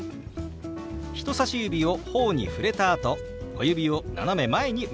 人さし指を頬に触れたあと小指を斜め前に動かします。